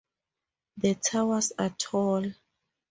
The towers are tall.